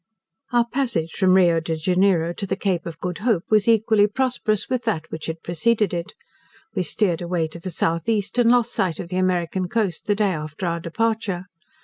Our passage from Rio de Janeiro to the Cape of Good Hope was equally prosperous with that which had preceded it. We steered away to the south east, and lost sight of the American coast the day after our departure.